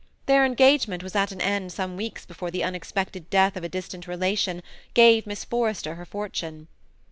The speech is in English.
Their engagement was at an end some weeks before the unexpected death of a distant relation gave Miss Forrester her fortune.